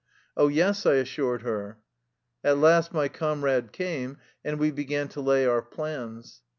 " Oh, yes/' I assured her. At last my comrade came, and we began to lay our plans.